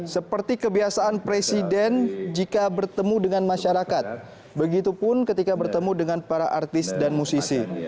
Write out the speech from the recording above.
seperti kebiasaan presiden jika bertemu dengan masyarakat begitupun ketika bertemu dengan para artis dan musisi